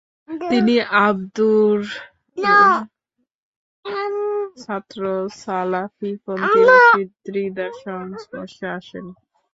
তিনি আবদুহর ছাত্র সালাফিপন্থি রশিদ রিদার সংস্পর্শে আসেন।